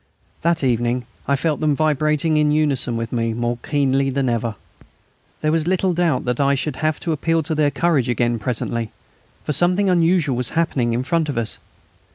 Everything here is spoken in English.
That evening I felt them vibrating in unison with me more keenly than ever. There was little doubt that I should have to appeal to their courage again presently, for something unusual was happening in front of us.